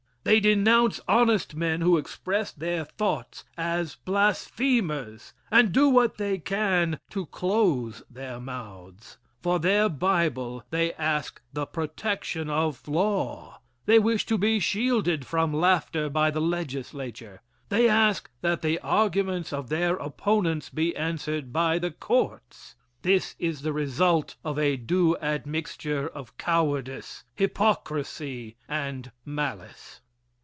They denounce honest men who express their thoughts, as blasphemers, and do what they can to close their mouths. For their Bible they ask the protection of law. They wish to be shielded from laughter by the Legislature. They ask that the arguments of their opponents be answered by the courts. This is the result of a due admixture of cowardice, hypocrisy and malice.